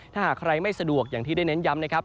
ถ้าหากใครไม่สะดวกอย่างที่ได้เน้นย้ำนะครับ